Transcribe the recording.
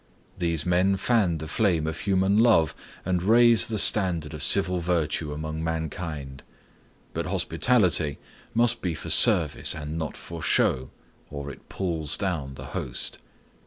These men fan the flame of human love and raise the standard of civil virtue among mankind. But hospitality must be for service and not for show, or it pulls down the host.